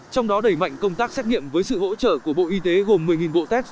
trong đó đẩy mạnh công tác xét nghiệm với sự hỗ trợ của bộ y tế gồm một mươi bộ test